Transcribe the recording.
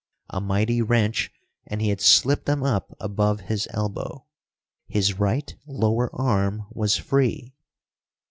A mighty wrench, and he had slipped them up above his elbow. His right lower arm was free.